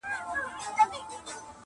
خپل یې د ټولو که ځوان که زوړ دی،